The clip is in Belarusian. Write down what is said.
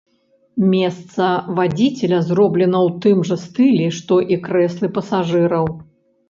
Месца вадзіцеля зроблена ў тым жа стылі, што і крэслы пасажыраў.